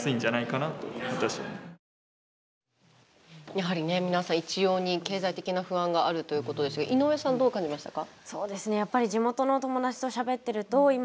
やはりね皆さん一様に経済的な不安があるということですが井上さんどう感じましたか？